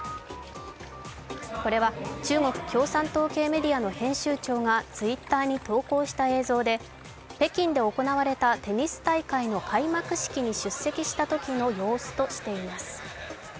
これは中国共産党系メディアの編集長がＴｗｉｔｔｅｒに投稿した映像で北京で行われたテニス大会の開幕式に出席したときの様子としています。